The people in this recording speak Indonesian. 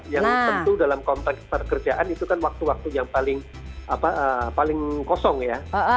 yang tentu dalam konteks pekerjaan itu kan waktu waktu yang paling kosong ya